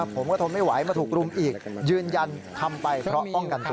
ผมก็ทนไม่ไหวมาถูกรุมอีกยืนยันทำไปเพราะป้องกันตัว